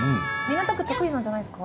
港区得意なんじゃないですか？